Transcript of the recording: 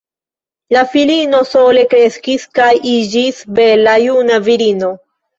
La filino sole kreskis kaj iĝis bela juna virino.